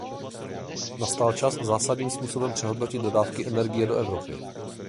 Nastal čas zásadním způsobem přehodnotit dodávky energie do Evropy.